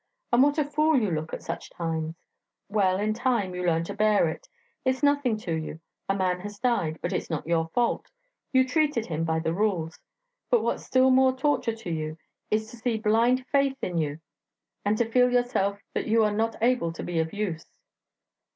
And what a fool you look at such times! Well, in time you learn to bear it; it's nothing to you. A man has died but it's not your fault; you treated him by the rules. But what's still more torture to you is to see blind faith in you, and to feel yourself that you are not able to be of use.